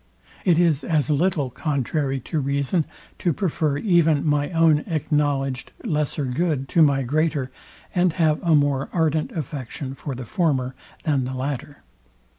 It is as little contrary to reason to prefer even my own acknowledgeed lesser good to my greater, and have a more ardent affection for the former than the latter.